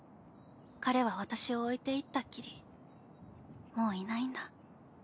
彼は私を置いていったっきりもういないんだ。